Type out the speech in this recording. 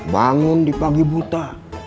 bangun di pagi buta